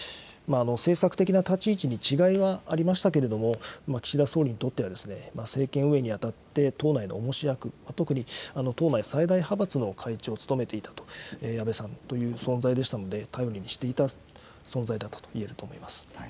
政策的な立ち位置に違いはありましたけれども、岸田総理にとっては、政権運営に当たって党内のおもし役、特に党内最大派閥の会長を務めていたという安倍さんという存在でしたので、頼りにしていた存在だったといえると思います。